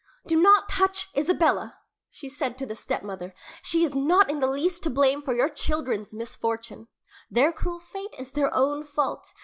"Do not touch Isabella!" she said to the stepmother. "She is not in the least to blame for your children's misfortune. Their cruel fate is their own fault.